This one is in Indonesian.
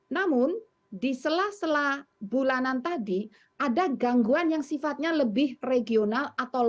namun di sela sela bulanan tadi ada gangguan yang sifatnya lebih regional